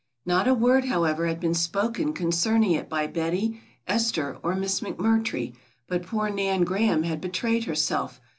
Not a word, however, had been spoken concerning it by Betty, Esther or Miss McMurtry, but poor Nan Graham had betrayed herself.